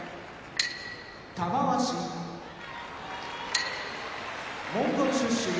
玉鷲モンゴル出身